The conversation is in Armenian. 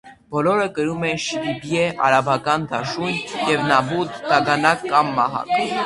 Բոլորը կրում էին «շիբիբիյե» (արաբական դաշույն) և «նաբութ» (դագանակ կամ մահակ)։